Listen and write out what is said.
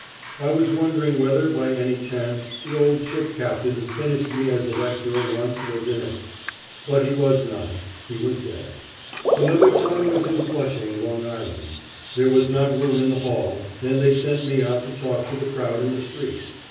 I was wondering whether by any chance the old ship captain who finished me as a lecturer once was in it, but he was not; he was dead. Another time was in Flushing, Long Island. There was not room in the hall, and they sent me out to talk to the crowd in the street.